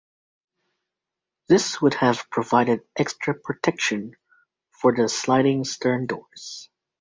This would have provided extra protection for the sliding stern doors.